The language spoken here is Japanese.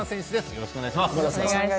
よろしくお願いします。